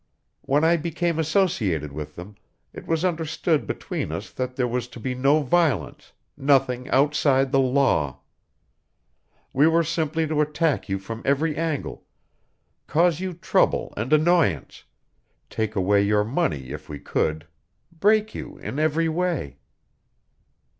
When I became associated with them, it was understood between us that there was to be no violence, nothing outside the law. We were simply to attack you from every angle, cause you trouble and annoyance, take away your money if we could, break you in every way."